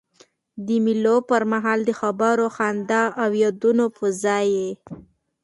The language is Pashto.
د مېلو پر مهال د خبرو، خندا او یادونو فضا يي.